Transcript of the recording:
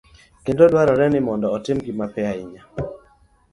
kendo ne dwarore ni otimgi mapiyo ahinya